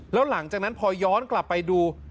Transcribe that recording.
แล้วหลังจากนั้นพอย้อนกลับไปดู